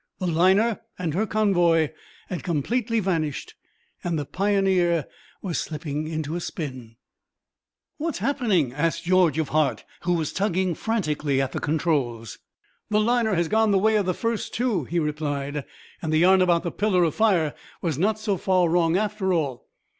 The liner and her convoy had completely vanished and the Pioneer was slipping into a spin! "What's up?" asked George of Hart, who was tugging frantically at the controls. "The liner has gone the way of the first two," he replied: "and the yarn about the pillar of fire was not so far wrong after all."